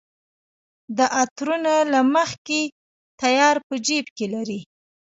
دا تورونه له مخکې تیار په جېب کې لري.